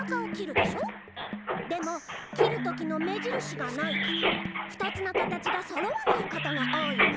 でも切るときの目じるしがないから２つの形がそろわないことが多いの。